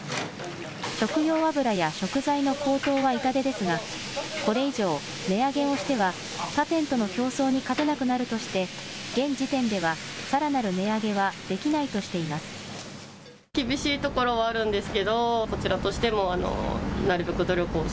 食用油や食材の高騰は痛手ですが、これ以上、値上げをしては、他店との競争に勝てなくなるとして、現時点ではさらなる値上げはできないとしています。